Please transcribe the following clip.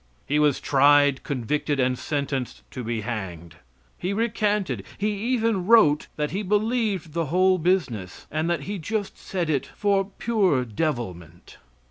He was tried, convicted, and sentenced to be hanged. He recanted; he even wrote that he believed the whole business; and that he just said it for pure devilment.